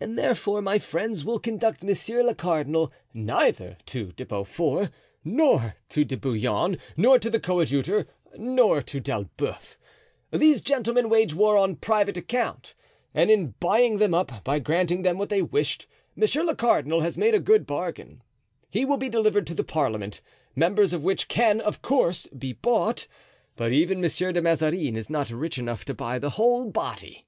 And therefore my friends will conduct monsieur le cardinal neither to De Beaufort, nor to De Bouillon, nor to the coadjutor, nor to D'Elbeuf. These gentlemen wage war on private account, and in buying them up, by granting them what they wished, monsieur le cardinal has made a good bargain. He will be delivered to the parliament, members of which can, of course, be bought, but even Monsieur de Mazarin is not rich enough to buy the whole body."